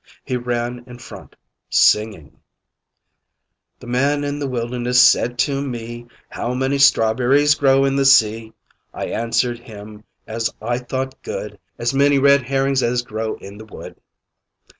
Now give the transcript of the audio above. He ran in front, singing "The man in the wilderness said to me, `How may strawberries grow in the sea?' I answered him as I thought good `As many red herrings as grow in the wood."'